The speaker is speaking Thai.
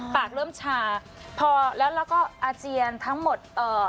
ปากเริ่มชาพอแล้วแล้วก็อาเจียนทั้งหมดเอ่อ